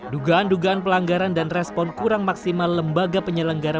dugaan dugaan pelanggaran dan respon kurang maksimal lembaga penyelenggara